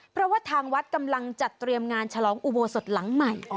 เพราะว่าทางวัดกำลังจัดเตรียมงานฉลองอุโบสถหลังใหม่